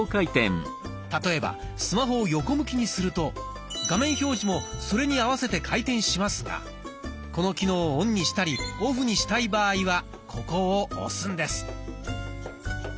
例えばスマホを横向きにすると画面表示もそれに合わせて回転しますがこの機能をオンにしたりオフにしたい場合はここを押すんです。